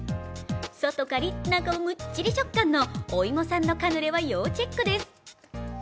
外カリッ、中はむっちり食感のおいもさんのカヌレは要チェックです。